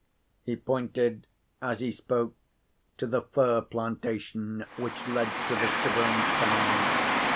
He pointed, as he spoke, to the fir plantation which led to the Shivering Sand.